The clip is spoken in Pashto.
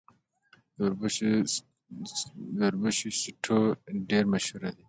د وربشو سټو ډیر مشهور دی.